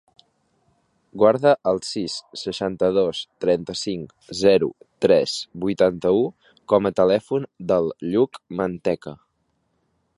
Guarda el sis, seixanta-dos, trenta-cinc, zero, tres, vuitanta-u com a telèfon del Lluc Manteca.